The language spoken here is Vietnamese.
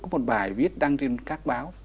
có một bài viết đăng trên các báo